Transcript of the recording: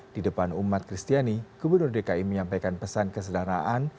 di depan umat kristiani gubernur dki menyampaikan pesan kesedaraan